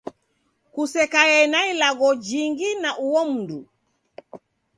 Kusekaie na ilagho jingi na uo mundu.